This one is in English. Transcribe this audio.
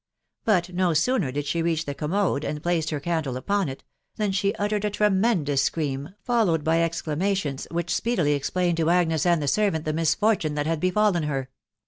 But ho sooner did she reach the Commode and place her candle upon it, than she uttered a tremendous scream, followed by exclamations which speedily explained to Agnes and the servant the misfortune that had befallen her.